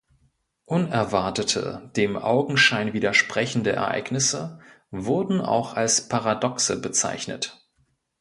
Unerwartete, dem Augenschein widersprechende Ereignisse wurden auch als Paradoxe bezeichnet.